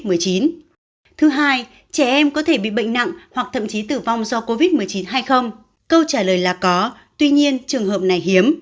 thứ hai trẻ em có thể bị bệnh nặng hoặc thậm chí tử vong do covid một mươi chín hay không câu trả lời là có tuy nhiên trường hợp này hiếm